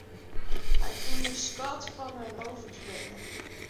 Hy fûn de skat fan in rôversbinde.